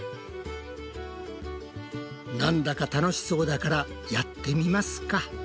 なんだか楽しそうだからやってみますか！